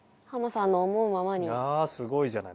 ああすごいじゃない。